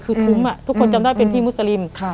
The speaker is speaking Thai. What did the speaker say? คือทุ้มทุกคนจำได้เป็นพี่มุสลิม